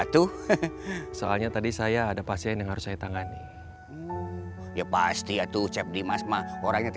tuh soalnya tadi saya ada pasien yang harus saya tangani ya pasti itu cepet dimas mah orangnya